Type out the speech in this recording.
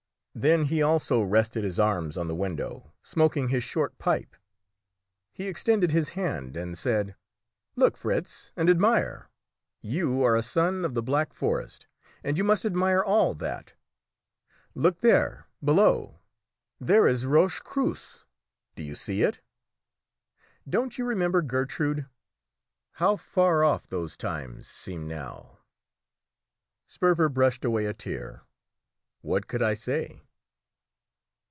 Then he also rested his arms on the window, smoking his short pipe. He extended his hand and said "Look, Fritz, and admire! You are a son of the Black Forest, and you must admire all that. Look there below; there is Roche Creuse. Do you see it? Don't you remember Gertrude? How far off those times seem now!" Sperver brushed away a tear. What could I say?